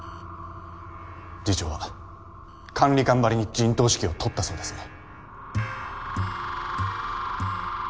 次長は管理官ばりに陣頭指揮を執ったそうですね。